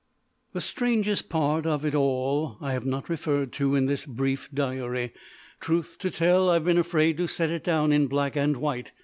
The strangest part of it all I have not referred to in this brief diary. Truth to tell, I have been afraid to set it down in black and white.